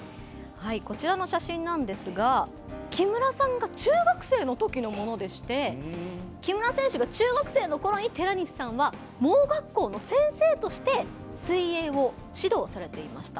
こちらの写真なんですが木村さんが中学生のときのものでして木村選手が中学生のころに寺西さんは盲学校の先生として水泳を指導されていました。